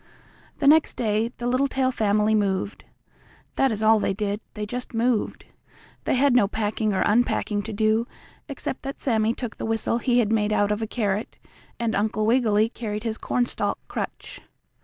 The next day the Littletail family moved. That is all they did, they just moved. They had no packing or unpacking to do, except that Sammie took the whistle he had made out of a carrot and Uncle Wiggily carried his cornstalk crutch.